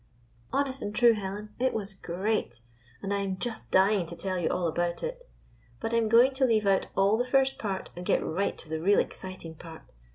" Honest and true, Helen, it was great. And I am just dying to tell you about it. But I am going to leave out all the first part and get right to the real exciting part.